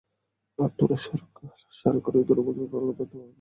আর তোরা শার্করা ইঁদুরের মতো দল ভেঙে পালাবি।